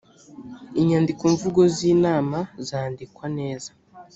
inyandiko mvugo z ‘inama zandikwa neza.